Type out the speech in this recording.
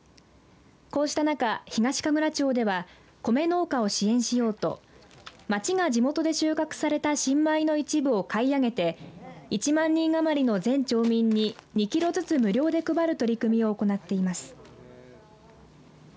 こうした中、東神楽町ではコメ農家を支援しようと町が地元で収穫された新米の一部を買いあげて１万人余りの全町民に２キロずつ無料で配る取り組みを行っています。